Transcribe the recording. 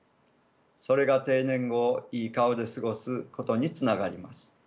それが定年後をいい顔で過ごすことにつながります。